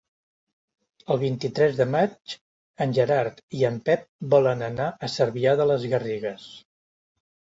El vint-i-tres de maig en Gerard i en Pep volen anar a Cervià de les Garrigues.